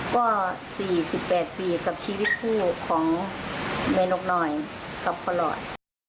ก็๔๘ปีกับชีวิตคู่ของแม่นกหน่อยกับพ่อหลอด